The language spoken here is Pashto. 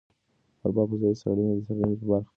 د اروپا فضايي څېړندلې د څېړنې برخه ده.